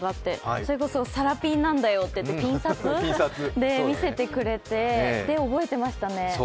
それこそ、さらぴんなんだよってピン札で見せてくれて覚えてましたね。